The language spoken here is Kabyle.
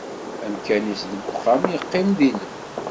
Amkan-is deg uxxam yeqqim d ilem